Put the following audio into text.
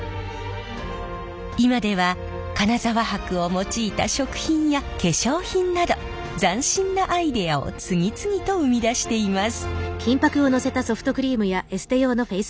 今では金沢箔を用いた食品や化粧品など斬新なアイデアを次々と生み出しています。